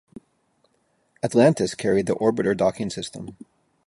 "Atlantis" carried the Orbiter Docking System.